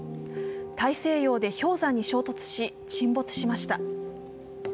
大西洋で氷山に衝突し沈没しました。